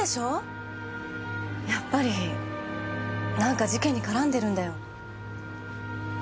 やっぱり何か事件に絡んでるんだよ。